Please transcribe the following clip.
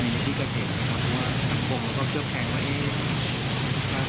เรียกจะอย่าการรับครับ